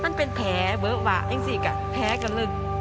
มันเป็นแผลเวอะบะแผลกระลึก